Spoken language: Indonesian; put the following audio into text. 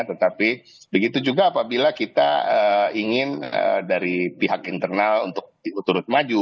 tetapi begitu juga apabila kita ingin dari pihak internal untuk turut maju